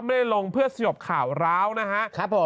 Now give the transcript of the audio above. ลงเพื่อสยบข่าวร้าวนะครับผม